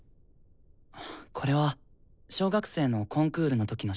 これは小学生のコンクールの時の写真？